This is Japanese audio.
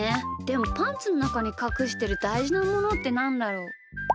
でもパンツのなかにかくしてるだいじなものってなんだろう？